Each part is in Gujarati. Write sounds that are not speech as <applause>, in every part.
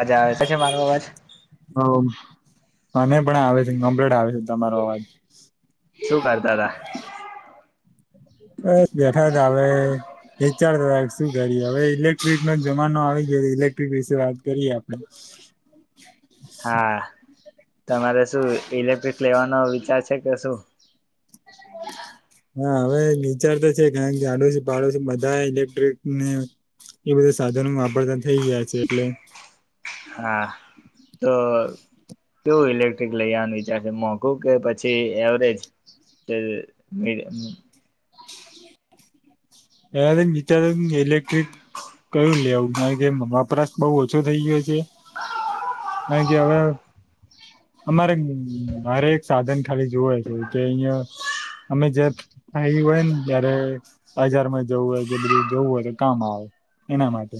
અવાજ આવે છે મારો અવાજ હોવ. મને પણ આવે છે કમ્પ્લેટ આવે છે તમારો અવાજ. શું કરતા તા. બસ બેઠા તા હવે વિચારતા શું કરીએ હવે ઇલેક્ટ્રિકનો જમાનો આવી ગયો ઇલેક્ટ્રિક વિશે વાત કરીએ આપડે હા તમારે શું ઇલેક્ટ લેવાનો વિચાર છે કે શું. <inaudible> હા હવે વિચાર તો છે કારણ આડોસી પાડોસી બધા ઇલેક્ટ્રિક ને એ બધા સાધનો વાપરતા થઇ ગયા છે એટલે હા તો કેવું ઇલેક્ટ્રિક લઈ આવાનું વિચારશે મોંઘું કે પછી એવરેજ. કે મી એ વિચાર્યું કે ઈલેક્ટ્રિક કયું લેવું કારણ કે વપરાશ બઉ ઓછો થઇ ગયો છે. કારણ કે હવે અમારે મારે એક સાધન ખરીદવું હોય તો તે અહિયાં અમે જ્યારે ફ્રી હોય ને ત્યારે હાજર જવું હોય કે બધું જવું હોય તો કામ આવે એના માટે.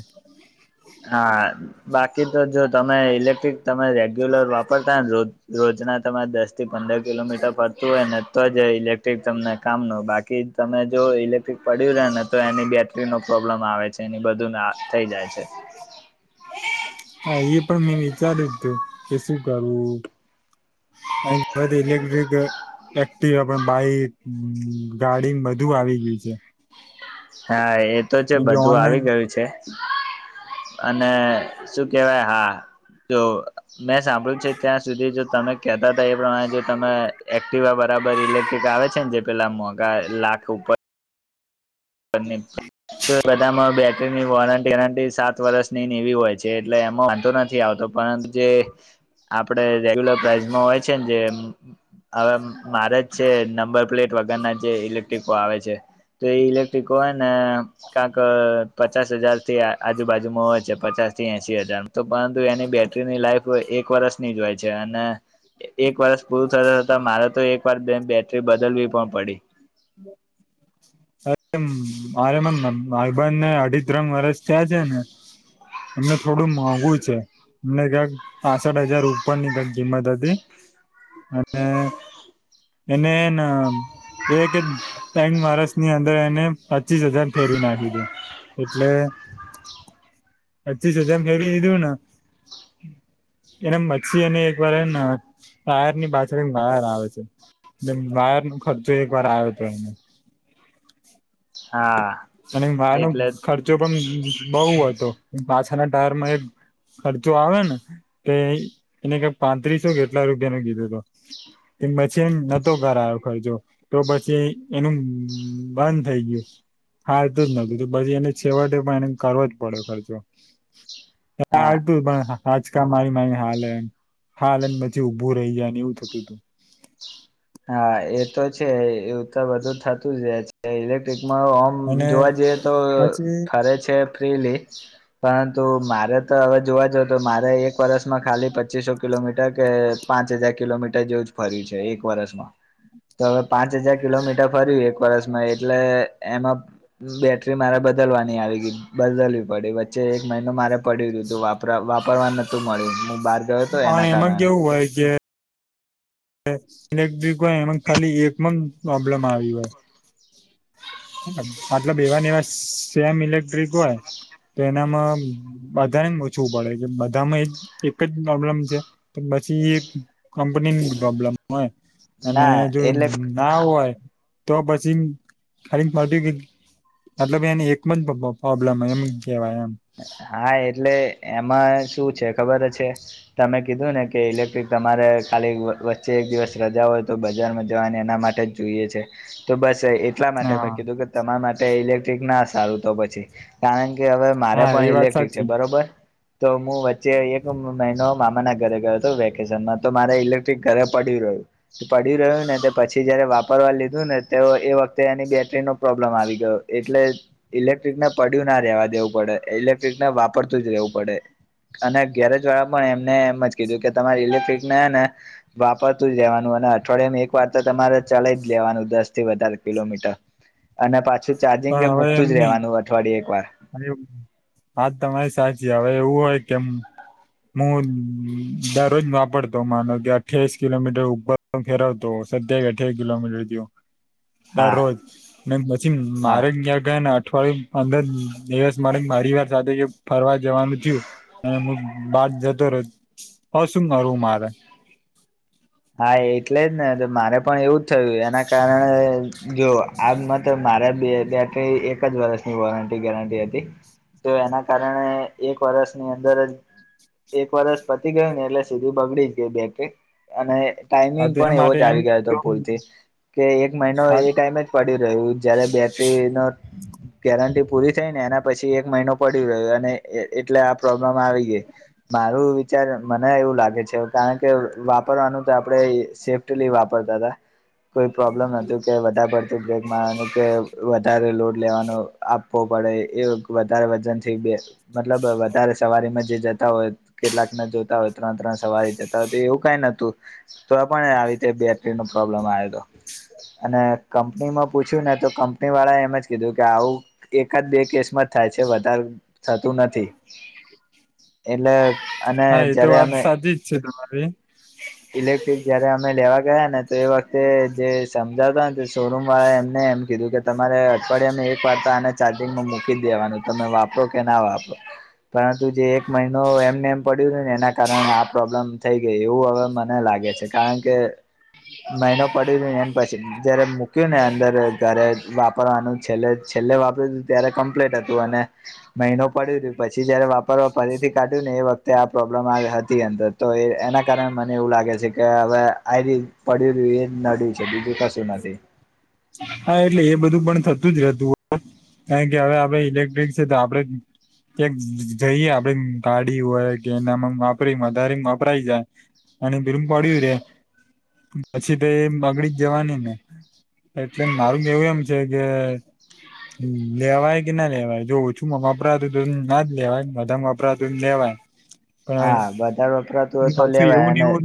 હા બાકી તો જો તમે ઇલેક્ટ્રિક તમે રેગ્યુલર વાપરતા ને રોજ રોજના તમારે દસથી પંદર કિલોમીટર પડતું હોય ને તો જ ઇલેક્ટ ઇલેક્ટ્રિક તમને કામનું બાકી તમે જો ઇલેક્ટ્રિક પડ્યું રેને તો એની બેટરીનો પ્રોબ્લેમ આવે છે. એની બધું નાશ થઈ જાય છે. હા એ પણ મેં વિચાર્યું જ હતું કે શું કરવું. <unintelligible> એકટીવા પણ બાઈક ગાડી ને બધું આવી ગયું છે. હા એ તો છે કારણ કે બધું ઓનલાઈન આવી ગયું છે અને શું કેવાય હા જો મેં સાંભળ્યું છે ત્યાં સુધી જો તમે કેતા એ પ્રમાણે જો તમે એક્ટિવા બરાબર ઇલેક્ટ્રિક આવે છે ને જે પેલા મોગ ગા લાખ ઉપર બંને બધામાં બેટરીની વોરંટી આનાથી સાત વર્ષની ની એવી હોય છે. જે એટલે એમાં વાંધો નથી આવતો પરંતુ જે આ આપડે રેગ્યુલર પ્રાઈઝમાં હોય છે ને જેમ હવે મારે જ છે નંબર પ્લેટ વગરના જે ઇલેક્ટ્રિકો આવે છે. તો એ ઇલેક્ટ્રિકો હોય ને કાક પચાસ હજાર થી આજુબાજુમાં હોય છે. પચાસ થી એસી હજાર તો પરંતુ એની બેટરીની લાઈફ એક એક વર્ષની જ હોય છે અને એક વર્ષ પૂરું થતા થતા મારે તો એક વાર બે બેટરી બદલવી પણ પડી. અરે મારે મને માારબન ને અઢી ત્રણ વર્ષ થયાં છે ને એમને થોડું મોઘું છે. અમને ક્યાંક પાસઠ હજાર ઉપર ની કઈક કિંમત હતી. અને <inaudible> એને ન એ કેય બેંક મહારાષ્ટ્રની અંદર એને પચીસ હજાર ફહેરવી નાખી દે. એટલે <inaudible> પચીસ હજાર મેળવી ન. <inaudible> એના મચછીને એક વાર એ ન ટાયર ની પાછળ વાયર આવે છે, એ વાયર નો ખર્ચો એક વાર આવ્યો હતો. હા. અને વાયર નો એટલે ખર્ચો પણ બહુ હતો, પાછળના ટાયરમાં એક ખર્ચો આવે ને તે એને કે પાંત્રીસો કેટલા રૂપિયા ન કીધો હતા. <inaudible> પછી નતો કરાયો ખર્ચો તો પછી એનું બંધ થઈ ગયું હા એતું જ નતું પછી એને છેવટે પણ એને કરવો જ પડે ખર્ચો હા આટું પણ હા આચકા મારી મારી હાલમ હાલ એને પછી ઊભું રહી જાય ને એવું થતું તું હા એ તો છે એવું તો બધું થતું જ છે ઇલેક્ટ્રિક મ અને જોવા જઈએ તો પછી ફરે છે ફ્રીલી પરંતુ મારે તો હવે જોવા જ તો મારે એક વર્ષમાં ખાલી પચીસો કિલોમીટર કે પાંચ હજાર કિલોમીટર જેવું જ ફર્યું છે એક વર્ષ માં તો હવે પાંચ હજાર કિલોમીટર ફર્યું એક વરષમાં એટલે એમાં બેટરી મારા બધા બલવાની આવી બદલવી પડી વચ્ચે એક મહિનો મારે પડ્યું વપરા પરવાન નતું મળ્યું હું બહાર ગયો હતો પણ એના એમાં કારણે કેવું હોય કે ઇલેક્ટ્રિક હોય એમાં ખાલી એકમાં પ્રોબ્લેમ આવી હોય મતલબ એવાને એવા સેમ ઇલેક્ટ્રિક હોય તો એનામાં બધાને જ ઓછવું પડે કે બધામાં એક જ પ્રોબ્લેમ છે પછી કંપનીની પ્રોબ્લેમ હોય અને ના જો એટલે ના હોય, તો પછી ખાલી ફટ મતલબ એને એકમ જ પ્રોબ્લેમ એમ, કેવાય એમ હા એટલે એમાં શું છે ખબર છે, તમે કીધું ને કે ઇલેક્ટ્રિક તમારે ખાલી વચ્ચે એક દિવસ રજા હોય, બજારમાં જવાની એના માટે જ જોઈએ છે, તો બસ એટલા માટે મે હા કીધું કે તમારા માટે ઇલેક્ટ્રિક ના સારું તો પછી કારણ કે હવે મારે હા એ પણ વાત ઇલેક્ટ્રિક છે, સાચી બરોબર તો હું વચ્ચે એક મહિનો મામાના ઘરે ગયો હતો, વેકેશનમાં તો મારે ઇલેક્ટ્રિક ઘરે પડ્યું રહ્યો પડ્યું રહ્યું ને પછી જયારે વાપરવા લીધું ને તો એ વખતે એની બેટરી નો પ્રોબ્લેમ આવી ગયો, એટલે ઇલેક્ટ્રિકને પડય્યું ના રેવા દેવું પડે. ઇલેક્ટ્રિક ને વાપરતું જ રહેવું પડે. અને ગેરેજ વાળા પણ એમને એમ જ કીધું કે તમારી ઇલેક્ટ્રિકને ને વાપરતુંજ રહેવાનું, અને અઠવાડિયામાં એક વાર તો તમારે ચલા જ લેવાનું દસ થી વધારે કિલોમીટર અને પાછું ચાર્જિંગ પણ કે હવે એમ મુકતું જ નહી રહેવાનું અઠવાડયે એક વાર વાત તમારી સાચી હવે એવું હોય, કેમ હું દરરોજ વાપરતો માનો કે અઠ્યાવીસ કિલોમીટર ઉપર ફેરવતો, સત્તાવીસ, અઠ્ઠાવીસ કિલોમીટર થયું હા દરરોજ ને પછી હા મારે અઠવાડિયું અંદર દિવસ માટે પરિવાર સાથે ફરવા જવાનું થયું, અને બાાર જતો રહ હ શું કરવું મારે? <inaudible> હા, એટલે જ ને મારે પણ એવું જ થયું એના કારણે જો આ મ તો મારે બે બેટરી એક જ વર્ષની વોરંટી ગેરંટી હતી, તો એના કારણે એક વરષની અંદર જ એક વરસ પતી ગયું ને એટલે સીધું બગડી જ ગય બેટરી અને હા ટાઈમિંગ તો પણ એના એવો માટે જ એમ આવી નહી ગયો હતો, તો ભૂલથી કે એક મહિનો એક હા ટાઈમ જ પડી રહ્યું, જયારે બેટરી ન ગેરંટી પૂરી થઈ ને એના પછી એક મહિનો પડી રહ્યો અને એ એટલે આ પ્રોબ્લેમ આવી ગઈ મારું અત્યારે મને એવું લાગે છે, કારણકે વાપ વાપરવાનું તો આપડે સેફ્ટલી વાપરતા હતા. કોઈ પ્રોબ્લમ નહોતું કે વધારે પડતું બ્રેક મારવાનું કે વધારે લોડ લેવાનું આપ પડે એ વધારે વજનથી બે મતલબ વધારે સવારીમાં જે જતું હોય કેટલાક ના જોતા હોય ત્રણ ત્રણ સવારે જતા હોય તો એવું કઈ નથી. તો પણ આવી રીતે બેટરી નો પ્રોબ્લેમ આવે હતો, લો અને કંપનીમાં પૂછ્યું ને તો કંપની વાળા એમ જ કીધું કે આવું એક જ બે કેસમાં થાય છે વધારે થતું નથી. એટલે અને એ તો જયારે વાત અમે સાચી જ છે તમારી ઇલેક્ટ્રિક જયારે અમે લેવા ગયા ને તો એ વખતે જે સમ ત્યાં ગયા શોરૂમ વાળા એમને એમ કીધું કે તમારે અઠવાડિયામાં એક વાર તો આને ચાર્જિંગમાં મૂકી દેવાનું તમે વાપરો કે ના વાપરો પણ. જે એક મહિનો એમને એમ પડ્યું ને એના કારણે આ પ્રોબ્લેમ થઈ ગઈ એવું હવે, મને લાગે છે, કારણ કે મહિનો પડી રહ્યું અને પછી જયારે મૂક્યું ને અંદર ઘરે વાપરવાનું છેલ્લે છેલ્લે વાપ ત્યારે કમ્પ્લેટ હતું અને મહિનો પડી રહ્યું પછી જયારે વાપરવા ફરીથી કાઢ્યું ને એ વખતે આ પ્રોબ્લેમ આવી હતી અંદર તો એના કારણે મ ને એવું લાગે છે કે હવે આ પડ્યું એ નડ્યું છે બીજું કશું નથી. હા એટલે એ બધું પણ થતું જ રહેતું. કારણ કે હવે આપડે ઇલેક્ટ્રિક છે તો આપડે કે જઈએ આપડે ગાડી હોય કે એનામાં વાપરી વધારે વાપરાય જા અને ભીલુંમ પડ્યું રે પછી તો એ બગડી જવાની ને. એટલે મારું કહેવું એમ છે કે <inaudible> હ લેવાય કે ના લેવાય જો ઓછું વપરાતું હતું ના જ લેવાયને બધા વપરાતું લેવાય. હા વધારે વપરાતું ક હોય એ તો પાછું લેવાય એવું અને એવું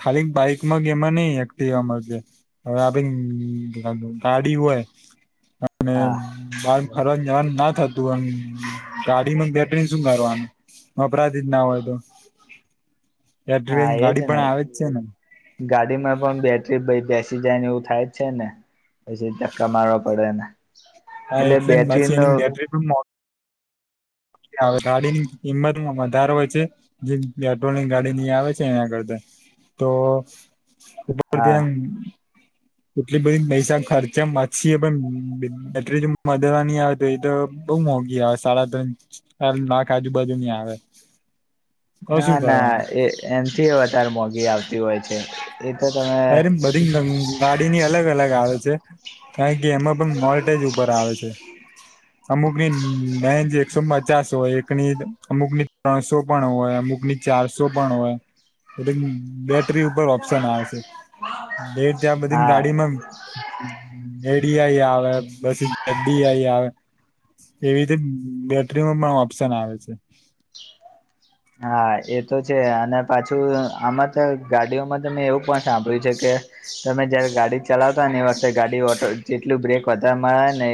ખાલી બાઈક ગ એમાં નહી એક્ટિવામાં છે હવે આપ ગાડી હોય. અને હા બાર ફરવા જવાનું ના થતું એમ ગાડી બેટરી શું કરવાનું વપરાતુ જ ના હોય તો. <inaudible> એટલી હા એજ ગાડી ને પણ આવી જ છે ને. ગાડીમાં પણ બેટરી ભ બેસી જાય ને એવું થાય જ છે ને. પછી ધક્કા મારવા પડેને હા એટલે બેટરી પછી ન વે ગાડીની કિંમતમાં વધારો હોય છે જે પેટ્રોલની ગાડી ન આવે છે એના કરતા. તો ઉપર હા મ <inaudible> એટલી બધી પૈસા ખર્ચા માસીએ પણ એટલે જો મદરાની આવત હોય તો બ મોઘી આવે સાડા ત્રણ નાખ આજુ બાજુ ની આવે. તો ના શું ના કરવાનું એ એનથી વધારે મોઘી આવતી હોય છે. એ તો તમે અરે બધી ગાડીની અલગ અલગ આવે છે કારણ કે એમાં મોલટેજ ઉપર આવે છે અમુક ની મેનજ એકસો બ ચારસો હોય એકની અમુક ની ત્રણસો પણ હોય અમુક ની ચારસો પણ હોય. હડી. બેટરી ઉપર ઓપ્શન આવે છે બેટ ત્યાં બધી હા ગાડીમાં. મેડી આઈ આવે બસ ગડી આઈ આવે. એવી રીતે બેટરીમાં પણ ઓપ્શન આવે છે. હા એ તો છે અને પાછું આમાં તો ગાડીઓમાં ત મેં એવું પણ સાંભળ્યું છે કે તમે જયારે ગાડી ચલાવતા હો ને એ વખતે ગાડી ઓટો જેટલું બ્રેક વધારે મારવા ને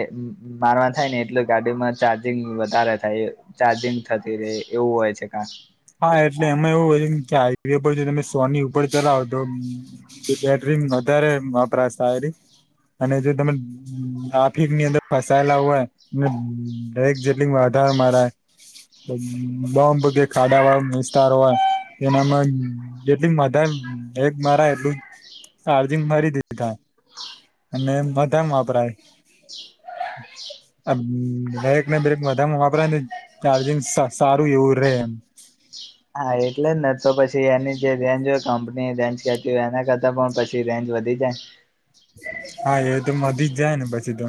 મારવા થાય ને એટલે ગાડીમાં ચાર્જિંગ વધારે થાય ચાર્જિંગ થતી રે એવું હોય છે. કા ઉપ જો તમે સોની ઉપર ચલાવ તો બેટરી વધારે વપરાશ થાય રે. અને જો તમે આફિક ની અંદર ફસાયેલા હોય દરેક જેટલી વાત થાય મારે બમબગ ખાડા વાળ વિસ્તાર હોય. એનામાં જેટલી મદા બ્રેક મારા એટલું. ચાર્જિંગ મારી દીધા અને બધામાં વાપરાય. <inaudible> આ બ્રેક ને બ્રેક વધામાં વાપરા ને ચાર્જિંગ સારું એવું રે એમ. <inaudible> હા એટલે જ ને તો પછી એની જે ધ્યાન જોય કં ને રેન્જ કેટલી હોય એના કરતા પણ પછી રેન્જ વધી જાય. હા એ તો મધી જ જાય ને પછી તો.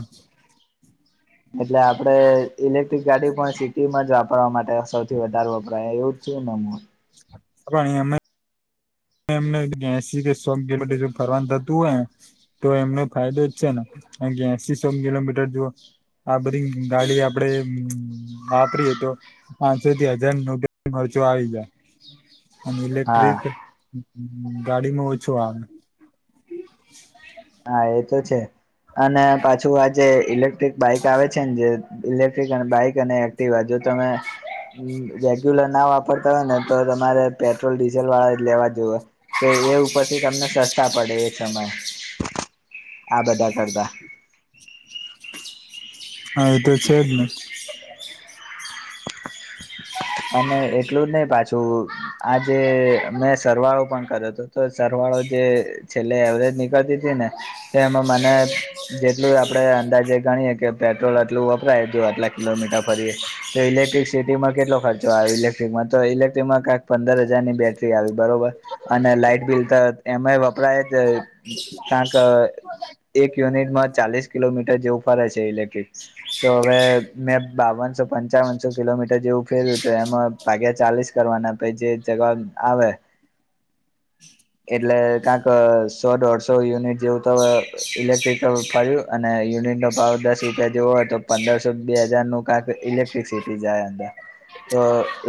એટલે આપડે ઇલેક્ટ્રિક ગાડી પણ સિટીમાં જ વાપરવા માટે સૌથી વધારે વપરાય એવું. છે નામાં. <unintelligible> એમને ગંસી કે શોખ ગેલો જો ફરવાનું થતું હોય તો એમને ફાયદો જ છે ને. હે એશસી સો કિલોમીટર જુઓ આ બધી ગાડી આપડે વાપરીએ તો પાંચસો થી હજાર નોકરી જો આવી જાય <unintelligible> અને હા ઇલેક્ટ્રિક ગાડીમાં ઓછો આવે હા એ તો છે અને પાછું આ જે ઇલેક્ટ્રિક બાઈક આવે છે ને જે ઇલેક્ટ્રિક અને બાઈક અને એક્ટિવ જો તમે રેગ્યુલર ના વાપરતા હોય ને તો તમારે પેટ્રોલ ડીઝલ વાળા લેવા જોએ એ ઉપરથી તમને સસ્તા પડે એ સમય આ બધા કરતા હા તો છે જને અને એટલું જ નહી પાછું આજે મેં સરવાળો પણ કર્યો હતો તો સરવાળો હવે જે છેલ્લે એવરેજ થતી તીને એમાં મને જેટલું આપણેે અંદાજે ગણીયે કે પેટ્રોલ એટલું પુરાતન આટલા કિલોમીટર ફરીએ તો ઇલેક્ટ્રિસિટી માં કેટલો ખર્ચ ઇલેક્ટ્રિકમાં તો ઇલેક્ટ્રિક માંકાક પંદર હજારની બેટરી આવી બરોબર અને લાઈટ બિલ તરત એમા વપરાય જ કાક એક યુનિટ ચાલીશ કિલોમીટર જેવું ફરે છે ઇલેક્ટ્રિક તો હવે મેં બાવનસો પંચાવનસો કિલોમીટર જેવું ફેર્યું તો એમાં ભાગ્યા ચાલીસ કરવાના પછીજે જવાબ આવે એટલે કાક સો દોઢસો યુનિટ જેવું તો ઇલેક્ટ્રિકલ ફર્યું અને યુનિટ નો પાવર દસ રૂપિયા જેવો હોય તો પંદરસો બે હજાર નોકાપે ઇલેક્ટ્રિસિટી જાય અંદર તો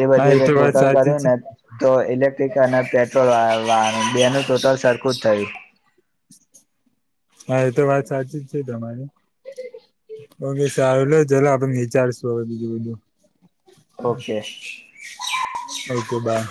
એ હા બધું જે તો વાત ટોટલ સાચી કર્યું છે ને તો ઇલેક્ટ્રિક અને પેટ્રોલ વાળુ તેનું ટોટલ સરખું જ થયું હા એ તો વાત સાચી જ છે તમારી ઓકે સારું ચલો આપડે વિચારશું હવે બીજું બધું ઓકે ઓકે બાય